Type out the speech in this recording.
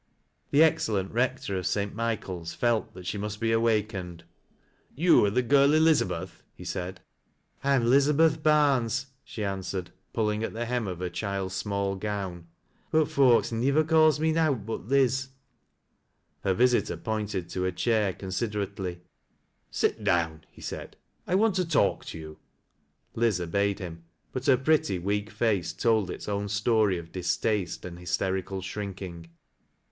The excellent Eector oi. dt IHiehael's felt that she must be awakened. " Ton are the girl Elizabeth ?" he said. " I'm 'Lizabeth Barnes," she answered, pulling at tht Utra of her child's small gown, " but folks nivver calls mo nowt but Liz." Her visitor pointed to a chair considerately. " Sil down," he said, "I want to talk to you." Li/, obeyed him ; but her pretty, weak face told its own story of distaste and hysterical shrinking.